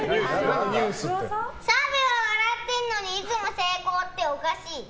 澤部は笑ってるのにいつも成功っておかしい！